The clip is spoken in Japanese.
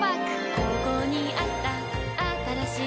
ここにあったあったらしい